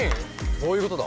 どういうことだ？